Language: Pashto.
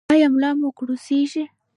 ایا ملا مو کړوسیږي؟